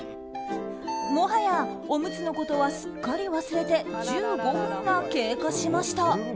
もはや、おむつのことはすっかり忘れて１５分が経過しました。